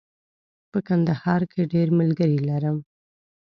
په کندهار کې ډېر ملګري لرم.